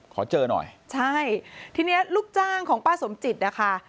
ขอเจอหน่อยใช่ทีนี้ลูกจ้างของป้าสมจิตนะคะ